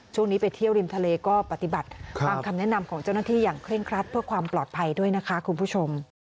ช่วงนี้ไปเที่ยวริมทะเลก็ปฏิบัติตามคำแนะนำของเจ้าหน้าที่อย่างเคร่งครัดเพื่อความปลอดภัยด้วยนะคะคุณผู้ชม